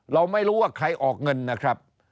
เราไม่รู้ว่าใครออกเงินนะครับ